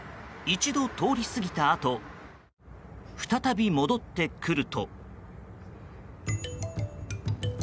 一度通り過ぎたあと再び戻ってくると。